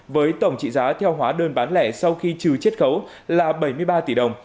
với tổng trị giá theo hóa đơn bán lẻ sau khi trừ chiết khấu là bảy mươi ba tỷ đồng